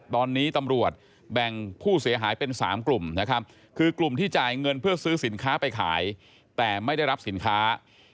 ตอนนี้ตำรวจแบ่งผู้เสียหายเป็น๓กลุ่มนะครับคือกลุ่มที่จ่ายเงินเพื่อซื้อสินค้าไปขายแต่ไม่ได้รับสินค้า